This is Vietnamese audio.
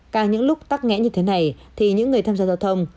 càng những lúc tắc nghẽn như thế này thì những người tham gia giao thông